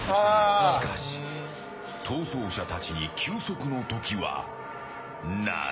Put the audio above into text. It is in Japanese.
しかし、逃走者たちに休息の時はない。